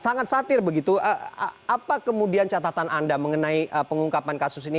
sangat satir begitu apa kemudian catatan anda mengenai pengungkapan kasus ini